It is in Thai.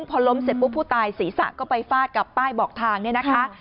พอล้มเสร็จปุ๊บผู้ตายศีรษะก็ไปฟาดกับป้ายบอกทางเนี่ยนะคะ